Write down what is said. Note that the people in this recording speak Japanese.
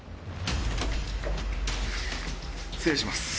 失礼します。